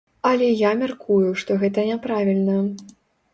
Але я мяркую, што гэта няправільна.